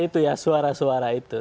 tidak suara suara itu ya